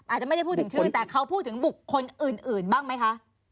อาจจะไม่ได้พูดถึงชื่อแต่เขาพูดถึงบุคคลอื่นบ้างไหมคะ